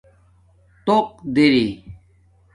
تق دیر